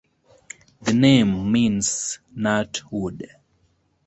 The name means 'nut wood'.